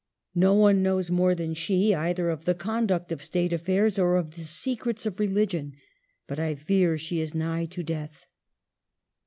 No one knows more than she, either of the conduct of State affairs or of the secrets of rehgion. But I fear she is nigh to death."